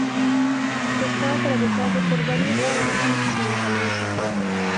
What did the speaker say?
Está atravesado por varias formaciones montañosas.